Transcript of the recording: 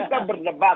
kalau kita berdebat